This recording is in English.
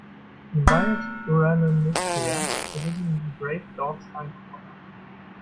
In Bayer's Uranometria, it is in the Great Dog's hind quarter.